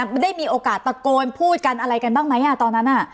มันได้มีโอกาสตะโกนพูดกันอะไรกันบ้างไหมตอนนั้น